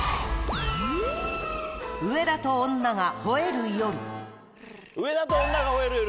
上田と女が吠える夜。